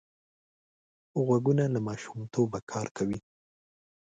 غوږونه له ماشومتوبه کار کوي